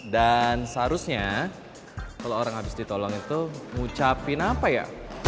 dan seharusnya kalo orang abis ditolong itu ngucapin apa ya